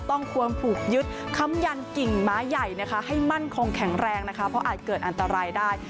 ต้องควรผูกยึดค้ำยันกิ่งไม้ใหญ่นะคะให้มั่นคงแข็งแรงนะคะเพราะอาจเกิดอันตรายได้